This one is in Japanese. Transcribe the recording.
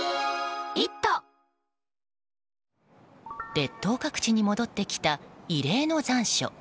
列島各地に戻ってきた異例の残暑。